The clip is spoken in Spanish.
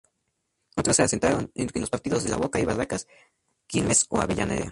Otros se asentaron en los partidos de La Boca y Barracas, Quilmes o Avellaneda.